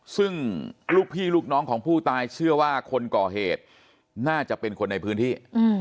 ซึ่งลูกพี่ลูกน้องของผู้ตายเชื่อว่าคนก่อเหตุน่าจะเป็นคนในพื้นที่